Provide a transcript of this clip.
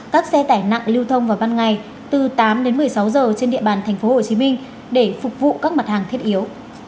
các xe tải nặng lưu thông vào ban ngày từ tám đến một mươi sáu giờ trên địa bàn tp hcm để phục vụ các mặt hàng thiết yếu